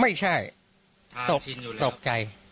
ไม่ใช่ตกใจ